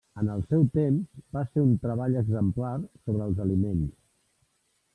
En el seu temps, va ser un treball exemplar sobre els aliments.